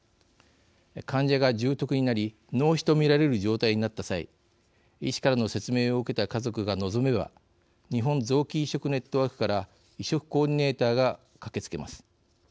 患者が重篤になり脳死と見られる状態になった際医師からの説明を受けた家族が望めば日本臓器移植ネットワークから移植コーディネーターが駆けつけます。